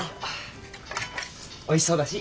おいしそうだし。